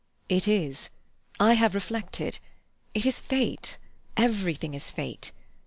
"It is. I have reflected. It is Fate. Everything is Fate.